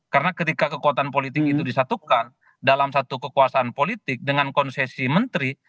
karena ketika kekuatan politik itu disatukan dalam satu kekuasaan politik dengan konsesi menteri